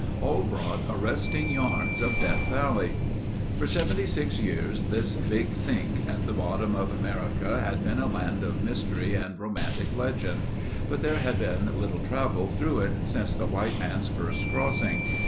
All brought arresting yarns of Death Valley. For 76 years this Big Sink at the bottom of America had been a land of mystery and romantic legend, but there had been little travel through it since the white man's first crossing.